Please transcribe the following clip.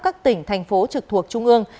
các tỉnh thành phố trực thuộc trung ương